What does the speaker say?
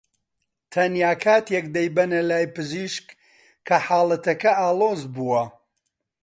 تەنیا کاتێک دەیبەنە لای پزیشک کە حاڵەتەکە ئاڵۆز بووە